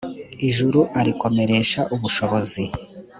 ijuru arikomeresha ubushishozi